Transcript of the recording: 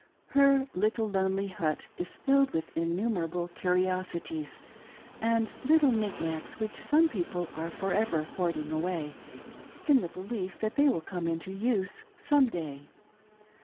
Her little lonely hut is filled with innumerable curiosities and little nick nacks which some people are for ever boarding away in the belief that they will come into use some day.